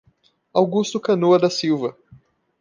Augusto Canoa da Silva